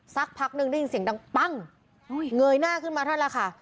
สักพักหนึ่งได้ยินเสียงดังปั้งเงยหน้าขึ้นมาเท่านั้นแหละค่ะ